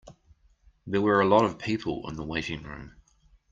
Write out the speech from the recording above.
There were a lot of people in the waiting room.